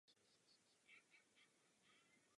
Byla velmi inteligentní a vzdělaná.